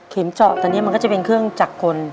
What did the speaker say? เข็มเจาะแต่เนี่ยมันก็จะเป็นเครื่องจักรคน